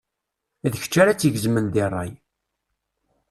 D kečč ara tt-igezmen deg rray.